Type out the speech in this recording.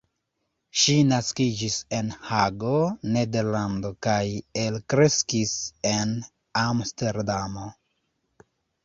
Ŝi naskiĝis en Hago, Nederlando kaj elkreskis en Amsterdamo.